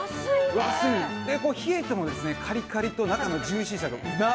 冷えてもカリカリと中のジューシーさがうな。